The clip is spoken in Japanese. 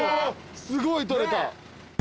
すごい撮れた。